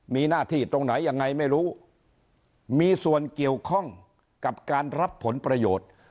มีหน้าที่ตรงไหนยังไงไม่รู้มีส่วนเกี่ยวข้องกับการรับผลประโยชน์